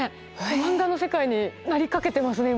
漫画の世界になりかけてますね今。